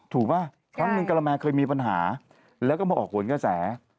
ป่ะครั้งหนึ่งกะละแมเคยมีปัญหาแล้วก็มาออกผลกระแส